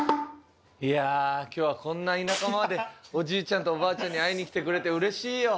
いやあ今日はこんな田舎までおじいちゃんとおばあちゃんに会いに来てくれて嬉しいよ。